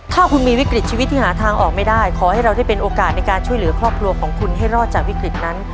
ถ้าคุณมีวิกฤตชีวิตที่หาทางออกไม่ได้ขอให้เราได้เป็นโอกาสในการช่วยเหลือครอบครัวของคุณให้รอดจากวิกฤตนั้น